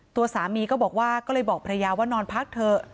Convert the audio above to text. ตัวสามีก็บอกว่าก็เลยบอกภรรยาว่านอนพักเถอะ